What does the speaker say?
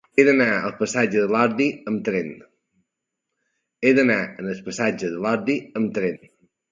He d'anar al passatge de l'Ordi amb tren.